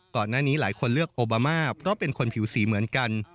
ก่อนหน้านี้หลายคนเลือกโอบามาเพราะเป็นคนผิวสีเหมือนกัน